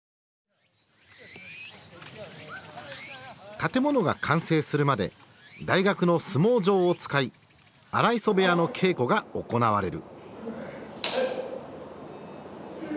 建物が完成するまで大学の相撲場を使い荒磯部屋の稽古が行われる。